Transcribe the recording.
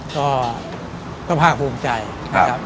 ก็พร้อมใจนะครับ